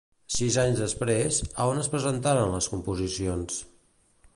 Sis anys després, a on presentaren les composicions?